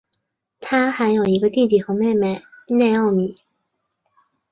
他还有一个弟弟和妹妹内奥米。